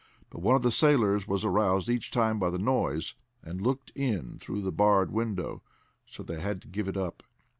But one of the sailors was aroused each time by the noise, and looked in through a barred window, so they had to give it up.